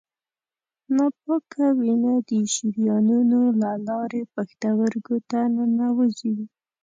ناپاکه وینه د شریانونو له لارې پښتورګو ته ننوزي.